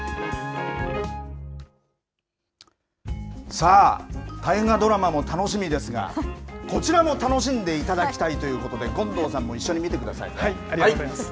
さあ大河ドラマも楽しみですがこちらも楽しんでいただきたいということで権藤さんもありがとうございます。